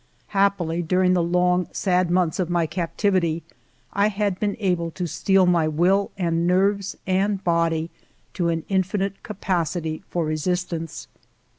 Happily, 300 FIVE YEARS OF MY LIFE during the long, sad months of my captivity I had been able to steel mv will 'and nerves and body to an infinite capacity for resistance.